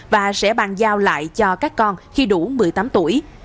và sẽ bàn giao lại cho các con khi đủ một mươi tám tuổi